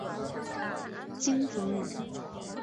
京房人。